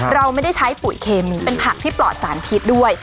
เราไม่ได้ใช้ปุ๋ยเคมีเป็นผักที่ปลอดสารพิษด้วย